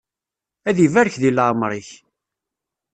Ad ibarek di leεmeṛ-ik!